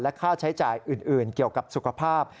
ค่าใช้จ่ายอื่นเกี่ยวกับสุขภาพ